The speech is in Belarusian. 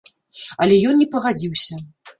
Але ён не пагадзіўся.